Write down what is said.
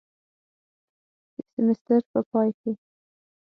د سیمیستر په پای کې